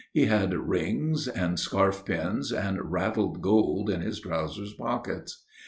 He had rings and scarf pins and rattled gold in his trousers pockets.